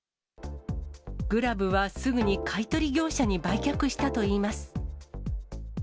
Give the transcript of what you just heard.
グラブはすぐに買い取り業者に売却したといいます。